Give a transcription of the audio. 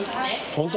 本当